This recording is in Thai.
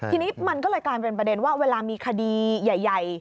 ทีนี้มันก็เลยกลายเป็นประเด็นว่าเวลามีคดีใหญ่